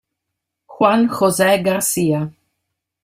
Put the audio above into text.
Juan José García